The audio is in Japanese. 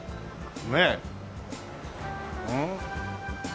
ねえ。